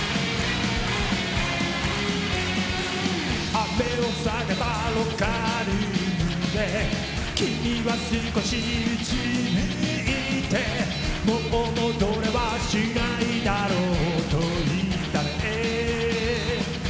雨を避けたロッカールームで君はすこしうつむいてもう戻れはしないだろうといったね